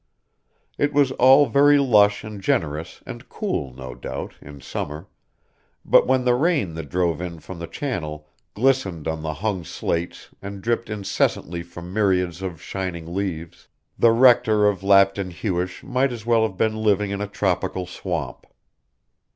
It was all very lush and generous and cool, no doubt, in summer; but when the rain that drove in from the Channel glistened on the hung slates and dripped incessantly from myriads of shining leaves, the Rector of Lapton Huish might as well have been living in a tropical swamp.